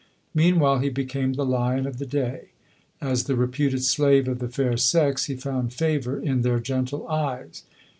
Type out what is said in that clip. Meanwhile, he became the lion of the day. As the reputed slave of the fair sex, he found favour in their gentle eyes.